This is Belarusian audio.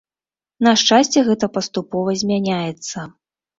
На шчасце, гэта паступова змяняецца.